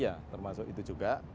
ya termasuk itu juga